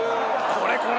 これ、これ！